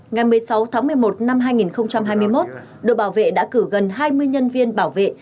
ngày một mươi sáu tháng một mươi một năm hai nghìn hai mươi một đội bảo vệ đã cử gần hai mươi nhân viên bảo vệ